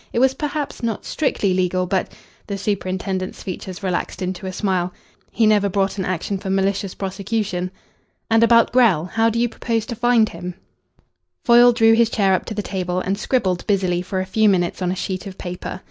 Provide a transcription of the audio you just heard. It was perhaps not strictly legal, but " The superintendent's features relaxed into a smile. "He never brought an action for malicious prosecution." "And about Grell? How do you propose to find him?" Foyle drew his chair up to the table and scribbled busily for a few minutes on a sheet of paper.